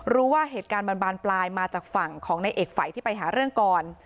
รู้ว่าเหตุการณ์มันบานปลายมาจากฝั่งของในเอกฝัยที่ไปหาเรื่องก่อน